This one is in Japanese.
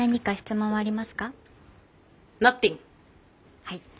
はい。